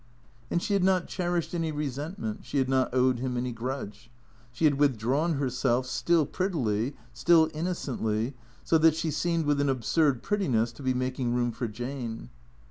And she had not cherished any resentment, she had not owed him any grudge. She had withdrawn herself, still prettily, still innocently, so that she seemed, with an absurd prettiness, to be making room for Jane.